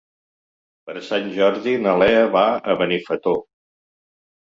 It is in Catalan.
Per Sant Jordi na Lea va a Benifato.